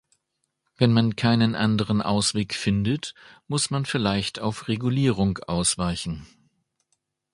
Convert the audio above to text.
Wenn man keinen anderen Ausweg findet, muss man vielleicht auf Regulierung ausweichen.